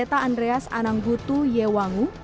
bereta andreas ananggutu yewangu